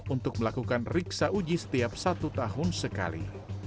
untuk melakukan riksa uji setiap satu tahun sekali